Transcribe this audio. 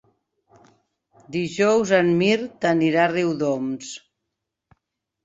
Dijous en Mirt anirà a Riudoms.